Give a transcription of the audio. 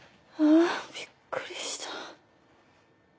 あびっくりした。